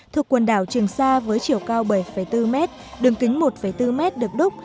thuộc quần đảo trường sa với chiều cao bảy bốn mét đường kính một bốn m được đúc